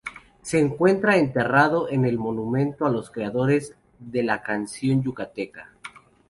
Se encuentra enterrado en el Monumento a los Creadores de la Canción Yucateca.